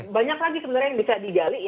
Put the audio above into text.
banyak lagi sebenarnya yang bisa digali